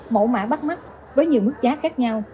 mẫu mã bắt mắt với nhiều mức giá khác nhau